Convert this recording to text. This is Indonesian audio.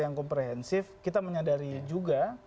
yang komprehensif kita menyadari juga